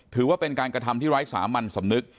ถือว่าเป็นการกระทำที่ไร้สามัญสำนึก